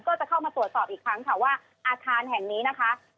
ก็จะเข้ามาตรวจสอบอีกครั้งค่ะว่าอาคารแห่งนี้นะคะ